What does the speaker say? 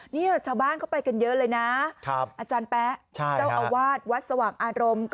เนี่ยชาวบ้านเข้าไปกันเยอะเลยนะอาจารย์แป๊ะเจ้าอาวาสวัดสว่างอารมณ์